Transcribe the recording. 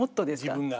自分が。